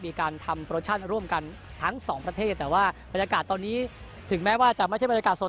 มีการทำโปรชั่นร่วมกันทั้งสองประเทศแต่ว่าบรรยากาศตอนนี้ถึงแม้ว่าจะไม่ใช่บรรยากาศสด